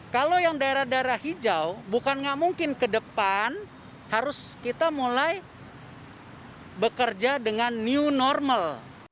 kalau yang daerah daerah hijau bukan nggak mungkin ke depan harus kita mulai bekerja dengan new normal